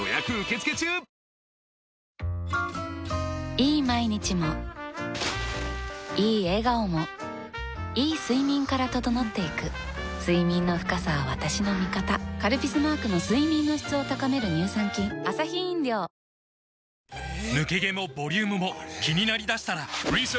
いい毎日もいい笑顔もいい睡眠から整っていく睡眠の深さは私の味方「カルピス」マークの睡眠の質を高める乳酸菌おはようございます。